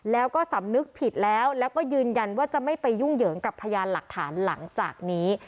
แล้วก็สำนึกผิดแล้วแล้วก็ยืนยันว่าจะไม่ไปยุ่งเหยิงกับพยานหลักฐานหลังจากนี้